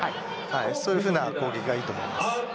そういう攻撃がいいと思います。